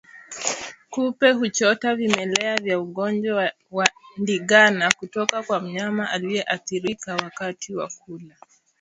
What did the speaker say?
Kupe huchota vimelea vya ugonjwa wa ndigana kutoka kwa mnyama aliyeathirika wakati wa kula